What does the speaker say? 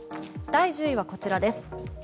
第１０位はこちらです。